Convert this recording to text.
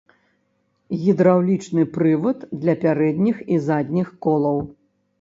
Гідраўлічны прывад для пярэдніх і задніх колаў.